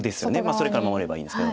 それから守ればいいんですけど。